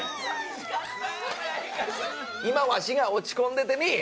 今わしが落ち込んでてみい。